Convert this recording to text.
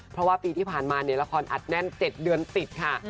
เพราะว่าปีที่ผ่านมาละครอัดแน่น๗เดือนติดค่ะ